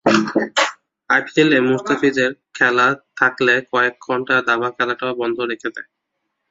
আইপিএলে মুস্তাফিজের খেলা থাকলে কয়েক ঘণ্টা দাবা খেলাটাও বন্ধ রেখে দেয়।